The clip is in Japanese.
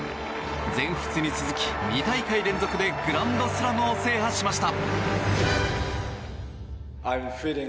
全仏に続き、２大会連続でグランドスラムを制覇しました。